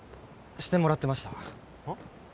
してもらってましたはあ？